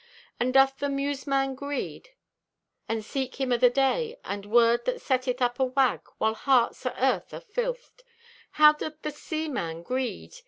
How doth the Muse man greed, And seek him o' the Day, And word that setteth up a wag— While hearts o' Earth are filthed? How doth the See man greed?